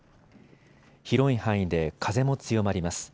広い範囲で風も強まります。